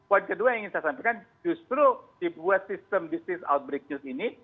poin kedua yang ingin saya sampaikan justru di buat sistem this is outbreak news ini